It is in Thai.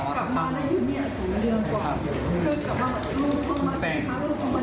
แปลกอย่างนึงก็คือ